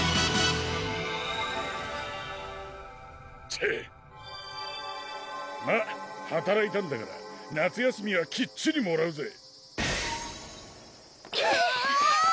チッまぁはたらいたんだから夏休みはきっちりもらうぜうお！